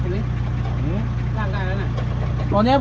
มีไงอ่ะ